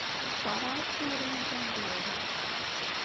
D Sarah i d tayri-inu tamezwarut.